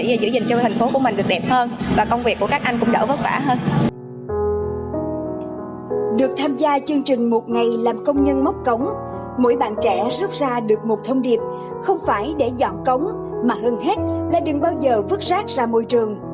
làm công nhân móc cống mỗi bạn trẻ rút ra được một thông điệp không phải để dọn cống mà hơn hết là đừng bao giờ vứt rác ra môi trường